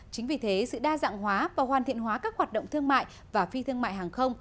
chính vì thế sự đa dạng hóa và hoàn thiện hóa các hoạt động thương mại và phi thương mại hàng không